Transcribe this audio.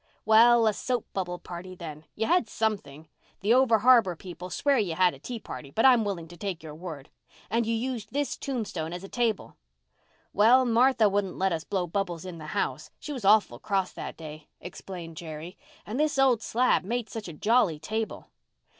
"Well, a soap bubble party then. You had something. The over harbour people swear you had a tea party, but I'm willing to take your word. And you used this tombstone as a table." "Well, Martha wouldn't let us blow bubbles in the house. She was awful cross that day," explained Jerry. "And this old slab made such a jolly table."